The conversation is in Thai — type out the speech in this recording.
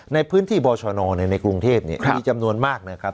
ในพื้นที่บอชนในกรุงเทพมีจำนวนมากนะครับ